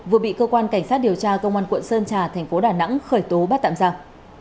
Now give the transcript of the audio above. vừa bị cơ quan cảnh sát điều tra công an quận sơn trà thành phố đà nẵng khởi tố bắt tạm giam